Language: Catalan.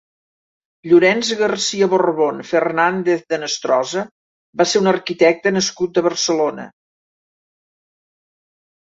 Llorenç García-Barbón Fernández de Henestrosa va ser un arquitecte nascut a Barcelona.